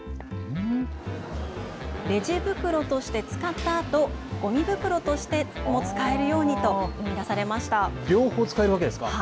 レジ袋として使ったあとごみ袋としても使えるようにと生み出されました。